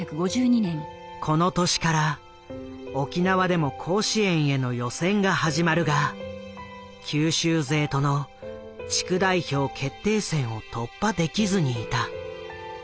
この年から沖縄でも甲子園への予選が始まるが九州勢との地区代表決定戦を突破できずにいた。